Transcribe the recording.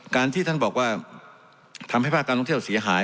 การที่ท่านบอกว่าทำให้ภาคการท่องเที่ยวเสียหาย